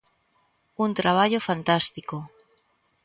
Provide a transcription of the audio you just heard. Un traballo fantástico.